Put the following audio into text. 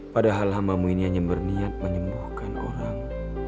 padahal lamamu ini hanya berniat menyembuhkan orang